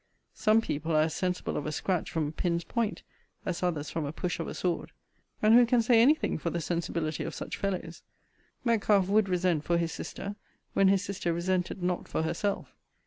Some people are as sensible of a scratch from a pin's point, as others from a push of a sword: and who can say any thing for the sensibility of such fellows? Metcalfe would resent for his sister, when his sister resented not for herself.